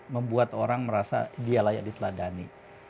membuat orang merasa dia layak diteladani